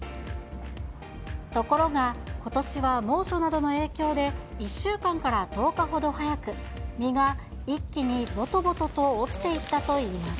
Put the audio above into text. ところが、ことしは猛暑などの影響で、１週間から１０日ほど早く、実が一気にぼとぼとと落ちていったといいます。